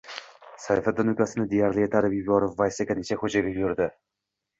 Sayfiddin ukasini deyarli itarib yuborib, vaysaganicha, ko‘chaga yurdi